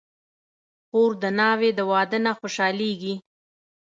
خور د ناوې د واده نه خوشحالېږي.